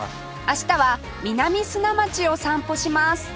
明日は南砂町を散歩します